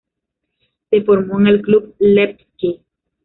Se formó en el club Levski.